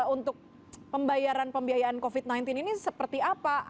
untuk pembayaran pembiayaan covid sembilan belas ini seperti apa